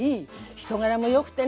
人柄も良くてね